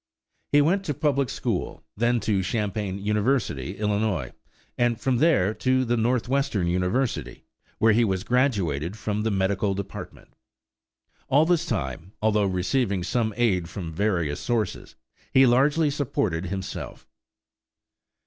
He went to the public school, then to Champaign University, Illinois, and from there to the Northwestern University, where he was graduated from the medical department. All this time, although receiving some aid from various sources, he largely supported himself.